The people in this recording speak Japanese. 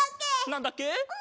なんだっけ？